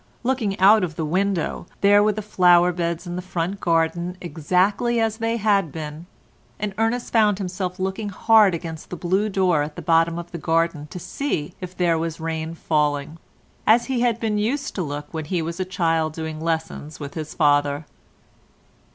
Looking out of the window, there were the flower beds in the front garden exactly as they had been, and Ernest found himself looking hard against the blue door at the bottom of the garden to see if there was rain falling, as he had been used to look when he was a child doing lessons with his father.